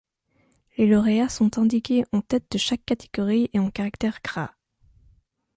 Les lauréats sont indiqués en tête de chaque catégorie et en caractères gras.